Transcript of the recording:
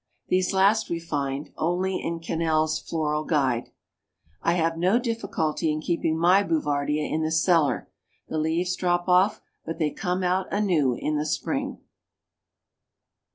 These last we find, only in Cannell's Floral Guide. I have no difficulty in keeping my Bouvardia in the cellar, the leaves drop off, but they come out anew in the spring.